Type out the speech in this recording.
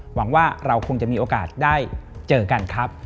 หวังว่าเราคงจะมีโอกาสได้เจอกันครับ